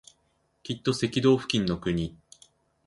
きっと赤道付近の国